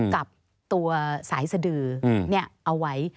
กับตัวสายสดือเอาไว้